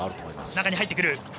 中に入ってくる。